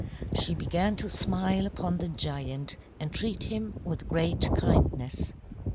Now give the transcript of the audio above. She began to smile upon the giant and treat him with great kindness.